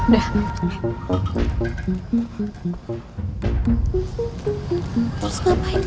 sel kamu gak apa apa